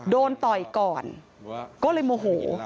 โดนต่อยก่อนก็เลยโมโห